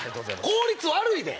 効率悪いで！